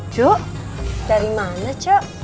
cuk dari mana cuk